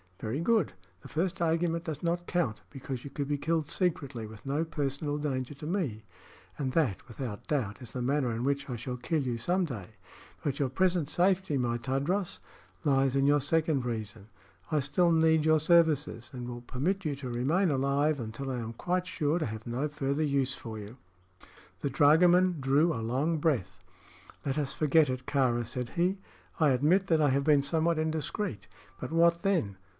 "Very good. The first argument does not count, because you could be killed secretly, with no personal danger to me; and that, without doubt, is the manner in which I shall kill you some day. But your present safety, my Tadros, lies in your second reason. I still need your services, and will permit you to remain alive until I am quite sure to have no further use for you." The dragoman drew a long breath. "Let us forget it, Kāra," said he. "I admit that I have been somewhat indiscreet; but what then?